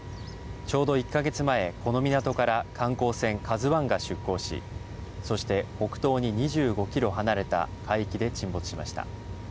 ちょうど１か月前、この港から観光船、ＫＡＺＵＩが出航しそして北東に２５キロ離れた海域で沈没しました。